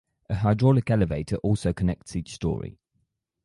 A hydraulic elevator also connects each story.